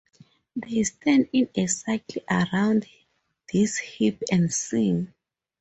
They stand in a circle around this heap and sing.